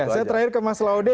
saya terakhir ke mas laude